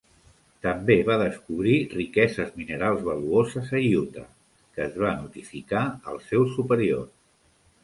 També va descobrir riqueses minerals valuoses a Utah que es va notificar als seus superiors.